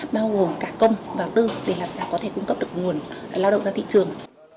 bao gồm cả công và tư để làm sao có thể cung cấp được nguồn lao động ra thị trường